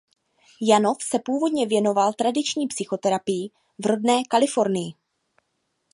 Janov se původně věnoval tradiční psychoterapii v rodné Kalifornii.